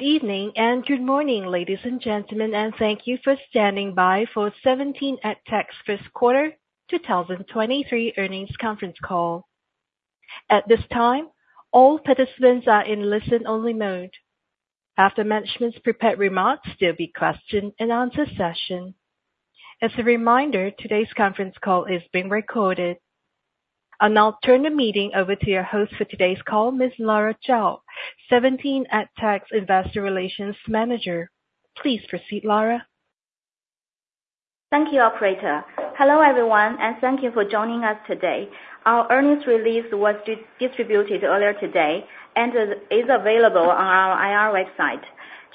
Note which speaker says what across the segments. Speaker 1: Good evening and good morning, ladies and gentlemen, and thank you for standing by for 17EdTech's first quarter, 2023 earnings conference call. At this time, all participants are in listen-only mode. After management's prepared remarks, there'll be question and answer session. As a reminder, today's conference call is being recorded. I'll now turn the meeting over to your host for today's call, Ms. Lara Zhao, 17EdTech's Investor Relations Manager. Please proceed, Lara.
Speaker 2: Thank you, operator. Hello, everyone, and thank you for joining us today. Our earnings release was distributed earlier today and is available on our IR website.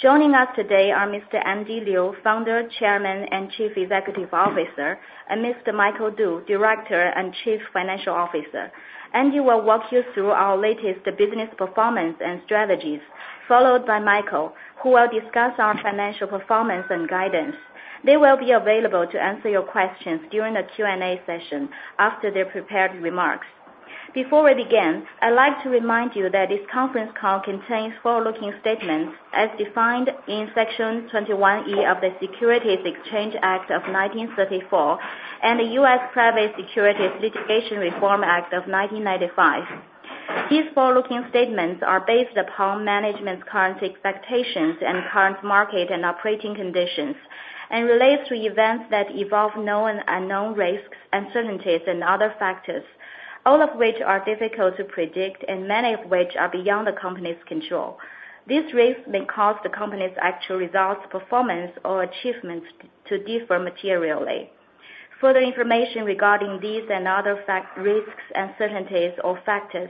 Speaker 2: Joining us today are Mr. Andy Liu, Founder, Chairman, and Chief Executive Officer, and Mr. Michael Du, Director and Chief Financial Officer. Andy will walk you through our latest business performance and strategies, followed by Michael, who will discuss our financial performance and guidance. They will be available to answer your questions during the Q&A session after their prepared remarks. Before we begin, I'd like to remind you that this conference call contains forward-looking statements as defined in Section 21E of the Securities Exchange Act of 1934, and the U.S. Private Securities Litigation Reform Act of 1995. These forward-looking statements are based upon management's current expectations and current market and operating conditions, and relates to events that involve known and unknown risks, uncertainties, and other factors, all of which are difficult to predict and many of which are beyond the company's control. These risks may cause the company's actual results, performance or achievements to differ materially. Further information regarding these and other fact, risks, uncertainties or factors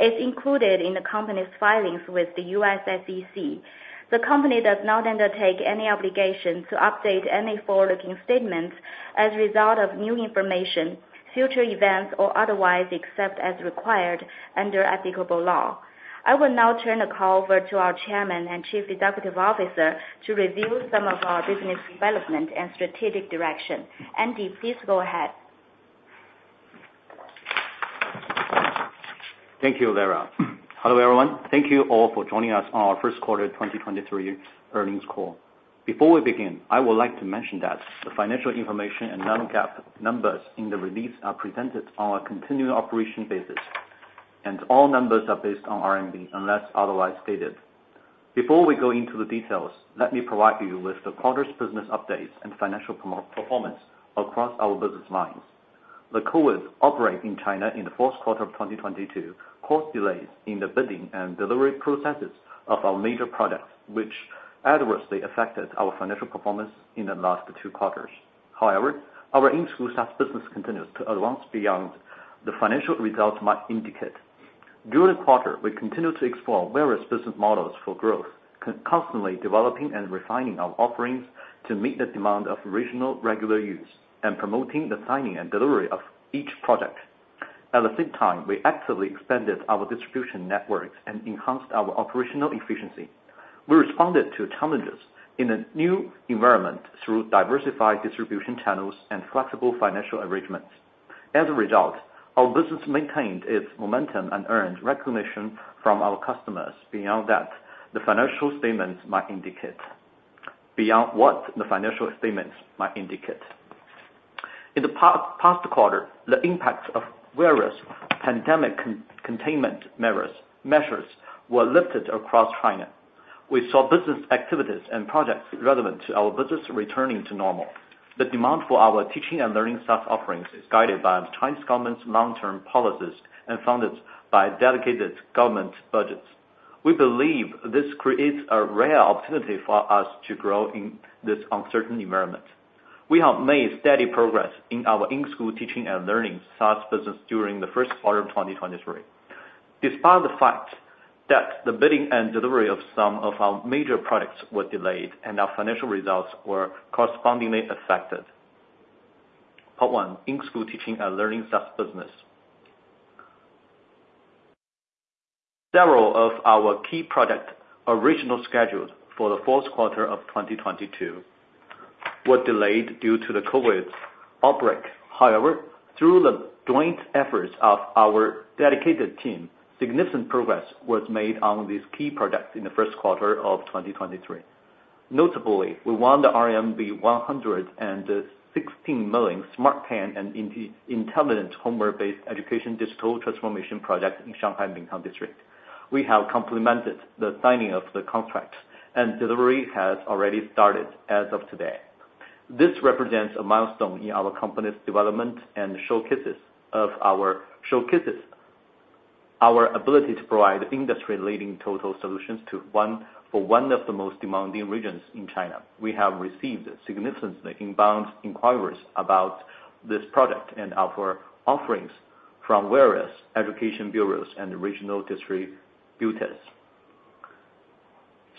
Speaker 2: is included in the company's filings with the U.S. SEC. The company does not undertake any obligation to update any forward-looking statements as a result of new information, future events or otherwise, except as required under applicable law. I will now turn the call over to our Chairman and Chief Executive Officer to review some of our business development and strategic direction. Andy, please go ahead.
Speaker 3: Thank you, Lara. Hello, everyone. Thank you all for joining us on our first quarter 2023 earnings call. Before we begin, I would like to mention that the financial information and non-GAAP numbers in the release are presented on a continuing operation basis, and all numbers are based on RMB, unless otherwise stated. Before we go into the details, let me provide you with the quarter's business updates and financial performance across our business lines. The COVID outbreak in China in the fourth quarter of 2022 caused delays in the bidding and delivery processes of our major products, which adversely affected our financial performance in the last two quarters. However our in-school SaaS business continues to advance beyond the financial results might indicate. During the quarter we continued to explore various business models for growth, constantly developing and refining our offerings to meet the demand of regional regular use, and promoting the signing and delivery of each product. At the same time, we actively expanded our distribution networks and enhanced our operational efficiency. We responded to challenges in a new environment through diversified distribution channels and flexible financial arrangements. As a result, our business maintained its momentum and earned recognition from our customers. Beyond what the financial statements might indicate. In the past quarter, the impacts of various pandemic containment measures were lifted across China. We saw business activities and projects relevant to our business returning to normal. The demand for our teaching and learning SaaS offerings is guided by the Chinese government's long-term policies and funded by dedicated government budgets. We believe this creates a rare opportunity for us to grow in this uncertain environment. We have made steady progress in our in-school teaching and learning SaaS business during the first quarter of 2023, despite the fact that the bidding and delivery of some of our major products were delayed and our financial results were correspondingly affected. Part one: In-school teaching and learning SaaS business. Several of our key product originally scheduled for the fourth quarter of 2022 were delayed due to the COVID outbreak. Through the joint efforts of our dedicated team, significant progress was made on these key products in the first quarter of 2023. Notably, we won the RMB 116 million smart pen and intelligent homework-based education digital transformation project in Shanghai, Minhang District. We have complemented the signing of the contract, and delivery has already started as of today. This represents a milestone in our company's development and showcases our ability to provide industry-leading total solutions for one of the most demanding regions in China. We have received significant inbound inquiries about this product and our offerings from various education bureaus and regional district bureaus.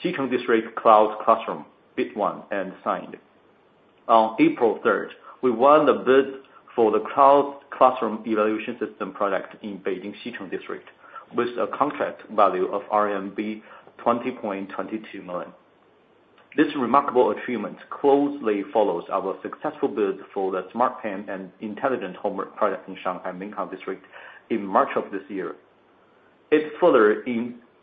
Speaker 3: Xicheng District cloud classroom bid won and signed. On April third, we won the bid for the cloud classroom evaluation system product in Beijing, Xicheng District, with a contract value of RMB 20.22 million. This remarkable achievement closely follows our successful build for the smart pen and intelligent homework product in Shanghai, Minhang District in March of this year. It further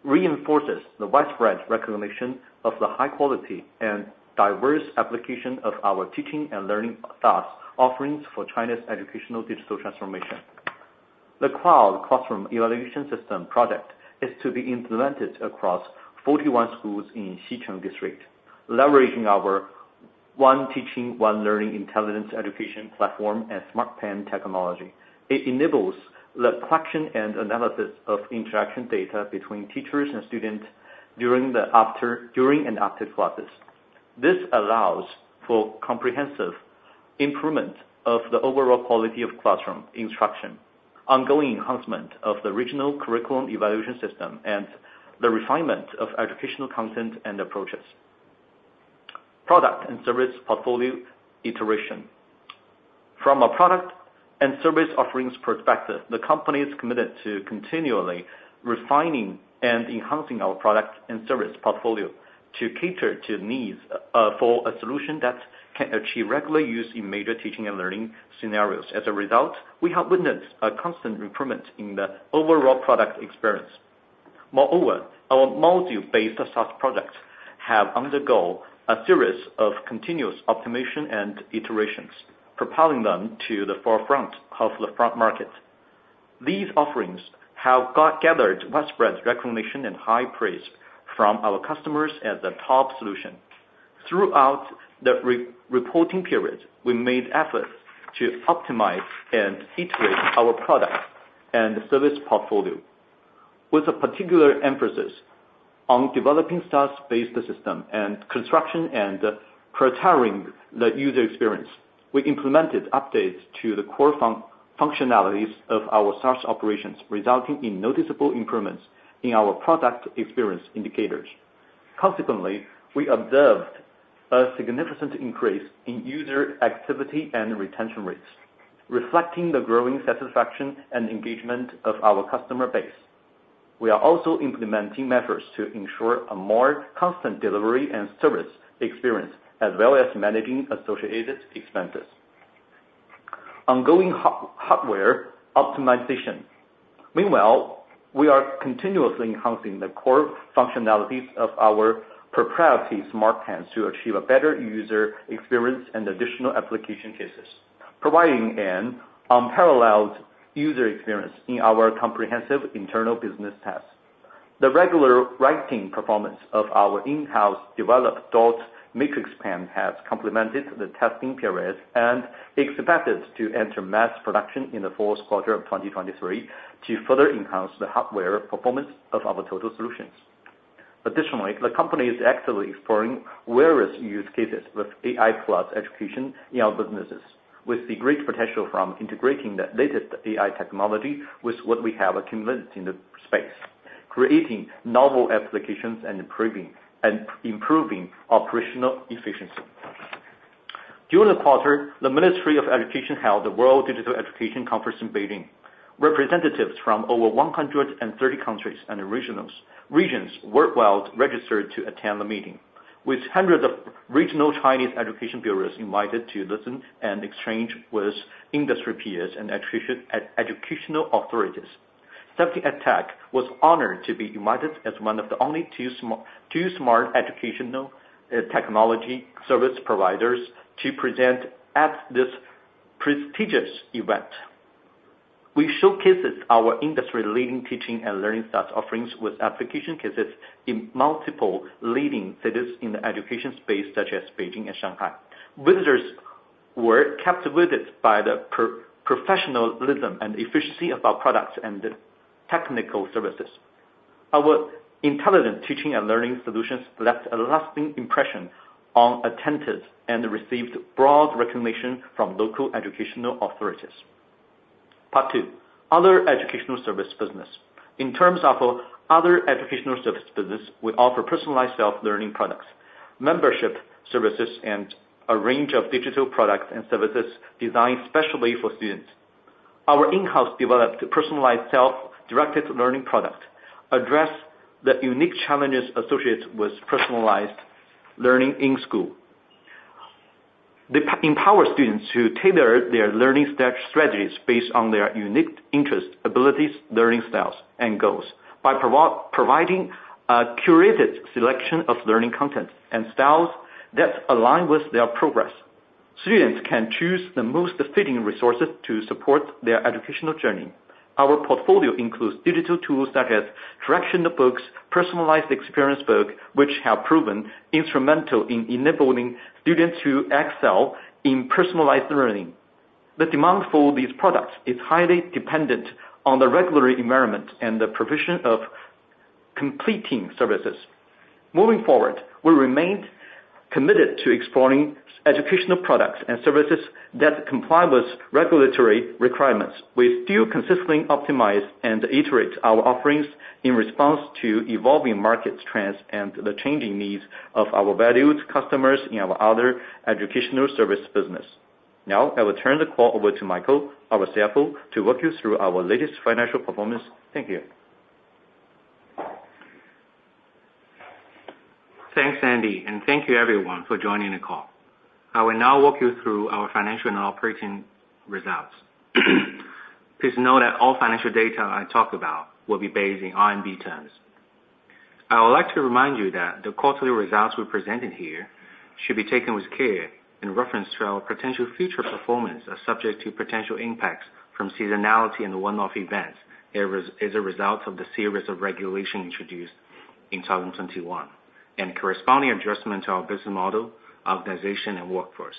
Speaker 3: reinforces the widespread recognition of the high quality and diverse application of our teaching and learning SaaS offerings for China's educational digital transformation. The cloud classroom evaluation system project is to be implemented across 41 schools in Xicheng District, leveraging our One Teaching, One Learning intelligence education platform and smart pen technology. It enables the collection and analysis of interaction data between teachers and students during and after classes. This allows for comprehensive improvement of the overall quality of classroom instruction, ongoing enhancement of the original curriculum evaluation system, and the refinement of educational content and approaches. Product and service portfolio iteration. From a product and service offerings perspective, the company is committed to continually refining and enhancing our product and service portfolio to cater to needs for a solution that can achieve regular use in major teaching and learning scenarios. As a result, we have witnessed a constant improvement in the overall product experience. Moreover, our module-based SaaS products have undergone a series of continuous optimization and iterations, propelling them to the forefront of the front market. These offerings have gathered widespread recognition and high praise from our customers as a top solution. Throughout the reporting period, we made efforts to optimize and iterate our product and service portfolio, with a particular emphasis on developing SaaS-based system and construction and retiring the user experience. We implemented updates to the core functionalities of our SaaS operations, resulting in noticeable improvements in our product experience indicators. Consequently, we observed a significant increase in user activity and retention rates, reflecting the growing satisfaction and engagement of our customer base. We are also implementing measures to ensure a more constant delivery and service experience, as well as managing associated expenses. Ongoing hardware optimization. Meanwhile, we are continuously enhancing the core functionalities of our proprietary smart pens to achieve a better user experience and additional application cases, providing an unparalleled user experience in our comprehensive internal business tests. The regular writing performance of our in-house developed dot matrix pen has complemented the testing period, and it's expected to enter mass production in the fourth quarter of 2023, to further enhance the hardware performance of our total solutions. Additionally, the company is actively exploring various use cases with AI plus education in our businesses, with the great potential from integrating the latest AI technology with what we have convinced in the space, creating novel applications and improving operational efficiency. During the quarter, the Ministry of Education held the World Digital Education Conference in Beijing. Representatives from over 130 countries and regions worldwide registered to attend the meeting, with hundreds of regional Chinese education bureaus invited to listen and exchange with industry peers and educational authorities. 17EdTech was honored to be invited as one of the only two smart educational technology service providers to present at this prestigious event. We showcases our industry-leading teaching and learning SaaS offerings with application cases in multiple leading cities in the education space, such as Beijing and Shanghai. Visitors were captivated by the professionalism and efficiency of our products and the technical services. Our intelligent teaching and learning solutions left a lasting impression on attendees and received broad recognition from local educational authorities. Part two: Other educational service business. In terms of our other educational service business, we offer personalized self-learning products, membership services, and a range of digital products and services designed specially for students. Our in-house developed personalized self-directed learning product address the unique challenges associated with personalized learning in school. They empower students to tailor their learning strategies based on their unique interests, abilities, learning styles, and goals. By providing a curated selection of learning content and styles that align with their progress, students can choose the most fitting resources to support their educational journey. Our portfolio includes digital tools such as directional books, personalized experience book, which have proven instrumental in enabling students to excel in personalized learning. The demand for these products is highly dependent on the regulatory environment and the provision of completing services. Moving forward, we remain committed to exploring educational products and services that comply with regulatory requirements. We still consistently optimize and iterate our offerings in response to evolving market trends and the changing needs of our valued customers in our other educational service business. I will turn the call over to Michael, our CFO, to walk you through our latest financial performance. Thank you!
Speaker 4: Thanks Andy, and thank you everyone for joining the call. I will now walk you through our financial and operating results. Please note that all financial data I talk about will be based in RMB terms. I would like to remind you that the quarterly results we presented here should be taken with care in reference to our potential future performance, are subject to potential impacts from seasonality and one-off events. It was as a result of the series of regulation introduced in 2021, corresponding adjustment to our business model, organization, and workforce.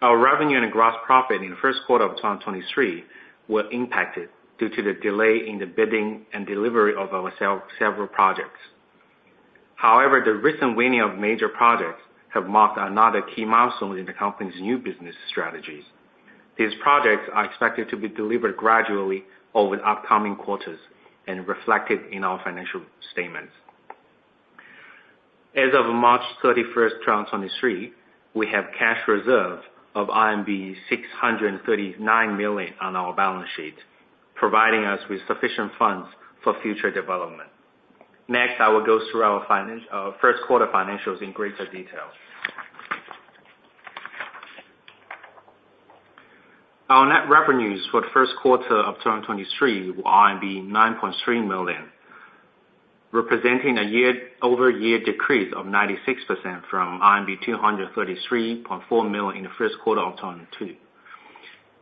Speaker 4: Our revenue and gross profit in the first quarter of 2023 were impacted due to the delay in the bidding and delivery of our several projects. The recent winning of major projects have marked another key milestone in the company's new business strategies. These projects are expected to be delivered gradually over the upcoming quarters and reflected in our financial statements. As of March 31, 2023, we have cash reserves of RMB 639 million on our balance sheet, providing us with sufficient funds for future development. Next, I will go through our first quarter financials in greater detail. Our net revenues for the first quarter of 2023 were 9.3 million, representing a year-over-year decrease of 96% from RMB 233.4 million in the first quarter of 2022.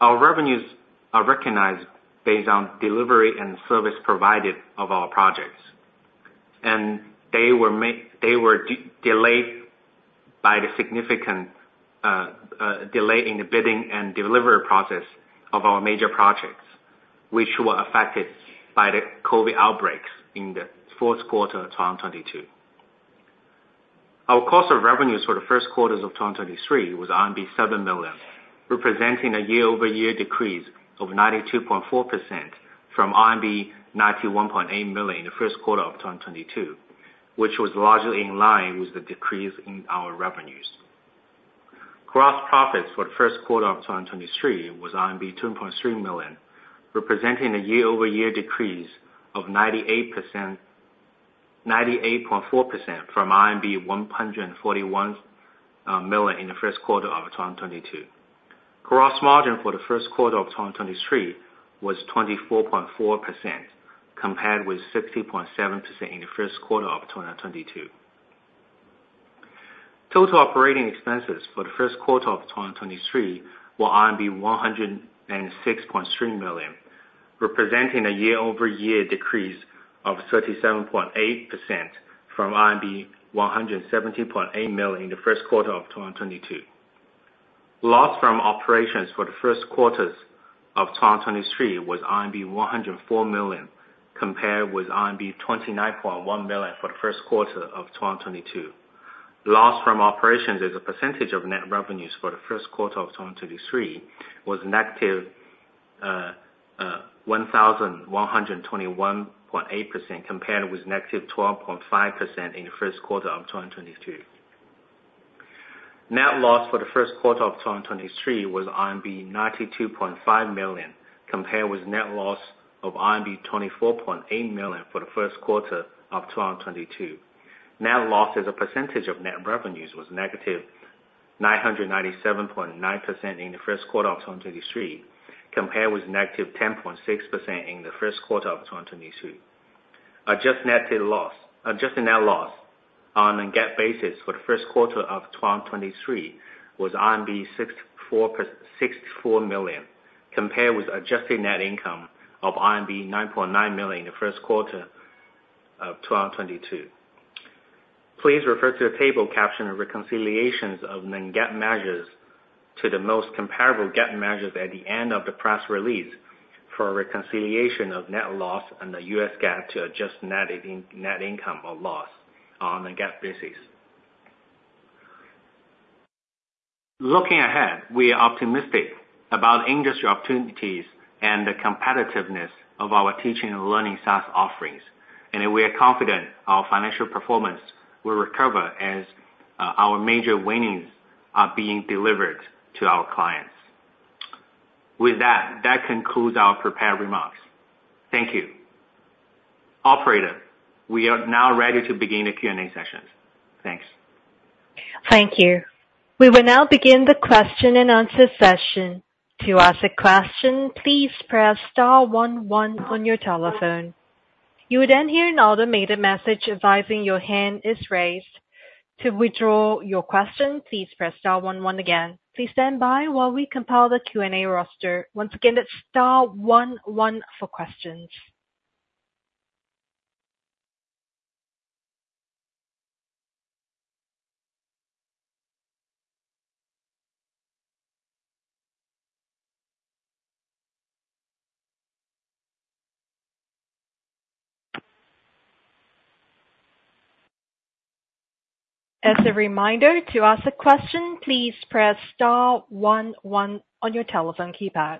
Speaker 4: Our revenues are recognized based on delivery and service provided of our projects. They were delayed by the significant delay in the bidding and delivery process of our major projects, which were affected by the COVID outbreaks in the fourth quarter of 2022. Our cost of revenues for the first quarters of 2023 was RMB 7 million, representing a year-over-year decrease of 92.4% from RMB 91.8 million in the first quarter of 2022, which was largely in line with the decrease in our revenues. Gross profits for the first quarter of 2023 was RMB 2.3 million, representing a year-over-year decrease of 98.4% from RMB 141 million in the first quarter of 2022. Gross margin for the first quarter of 2023 was 24.4%, compared with 60.7% in the first quarter of 2022. Total operating expenses for the first quarter of 2023 were 106.3 million, representing a year-over-year decrease of 37.8% from RMB 117.8 million in the first quarter of 2022. Loss from operations for the first quarters of 2023 was RMB 104 million, compared with RMB 29.1 million for the first quarter of 2022. Loss from operations as a percentage of net revenues for the first quarter of 2023 was negative 1,121.8%, compared with negative 12.5% in the first quarter of 2022. Net loss for the first quarter of 2023 was RMB 92.5 million, compared with net loss of RMB 24.8 million for the first quarter of 2022. Net loss as a percentage of net revenues was negative 997.9% in the first quarter of 2023, compared with negative 10.6% in the first quarter of 2022. Adjusted net loss on a GAAP basis for the first quarter of 2023 was 64 million, compared with adjusted net income of RMB 9.9 million in the first quarter of 2022. Please refer to the table caption and reconciliations of non-GAAP measures to the most comparable GAAP measures at the end of the press release for a reconciliation of net loss and the U.S. GAAP to adjust net income or loss on a GAAP basis. Looking ahead, we are optimistic about industry opportunities and the competitiveness of our teaching and learning SaaS offerings, we are confident our financial performance will recover as our major winnings are being delivered to our clients. With that concludes our prepared remarks. Thank you. Operator, we are now ready to begin the Q&A session. Thanks.
Speaker 1: Thank you. We will now begin the question and answer session. To ask a question, please press star one one on your telephone. You will then hear an automated message advising your hand is raised. To withdraw your question, please press star one one again. Please stand by while we compile the Q&A roster. Once again, that's star one one for questions. As a reminder, to ask a question, please press star one one on your telephone keypad.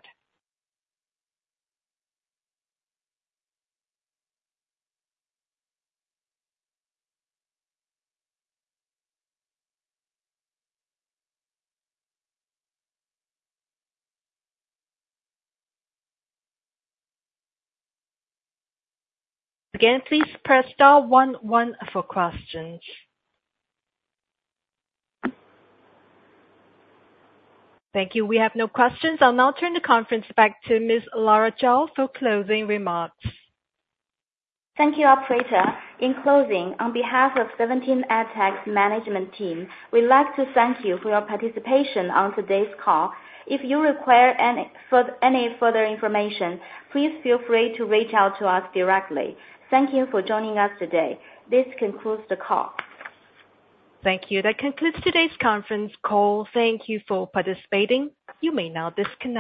Speaker 1: Again, please press star one one for questions. Thank you. We have no questions. I'll now turn the conference back to Ms. Lara Zhao for closing remarks.
Speaker 2: Thank you, operator. In closing, on behalf of 17EdTech's management team, we'd like to thank you for your participation on today's call. If you require any further information, please feel free to reach out to us directly. Thank you for joining us today. This concludes the call.
Speaker 1: Thank you. That concludes today's conference call. Thank you for participating. You may now disconnect.